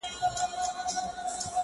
o خدای به د وطن له مخه ژر ورک کړي دا شر،